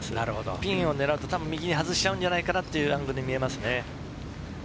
ピンを狙って、右に外しちゃうんじゃないかなというふうに見えます。